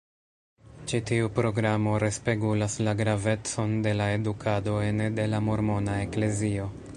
Ĉi tiu programo respegulas la gravecon de la edukado ene de la Mormona Eklezio.